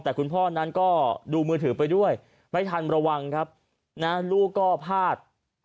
แต่คุณพ่อนั้นก็ดูมือถือไปด้วยไม่ทันระวังครับนะลูกก็พลาด